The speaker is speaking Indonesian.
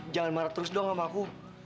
jangan marah terus doang sama aku